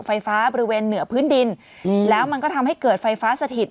ไฟฟ้าบริเวณเหนือพื้นดินแล้วมันก็ทำให้เกิดไฟฟ้าสถิต